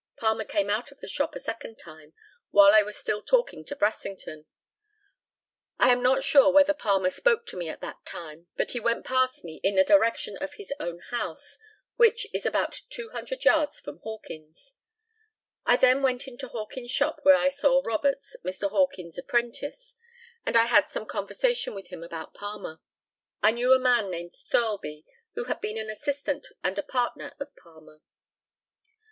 Palmer came out of the shop a second time, while I was still talking to Brassington. I am not sure whether Palmer spoke to me at that time; but he went past me in the direction of his own house, which is about 200 yards from Hawkins'. I then went into Hawkins' shop, where I saw Roberts, Mr. Hawkins' apprentice, and I had some conversation with him about Palmer. I knew a man named Thirlby, who had been an assistant and a partner of Palmer.